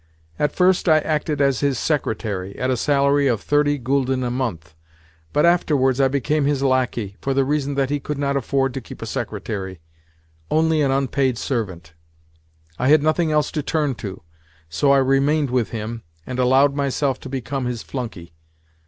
At first I acted as his secretary, at a salary of thirty gülden a month, but afterwards I became his lacquey, for the reason that he could not afford to keep a secretary—only an unpaid servant. I had nothing else to turn to, so I remained with him, and allowed myself to become his flunkey.